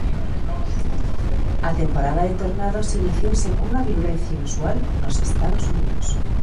A temporada de tornados iniciouse cunha virulencia inusual nos Estados Unidos.